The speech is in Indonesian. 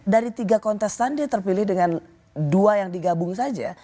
dari tiga kontestan dia terpilih dengan dua yang digabung saja